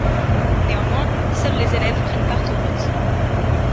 Néanmoins, seuls les élèves prennent part aux votes.